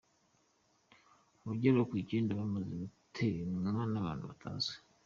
Abagera ku Icyenda bamaze gutemwa n’abantu batazwi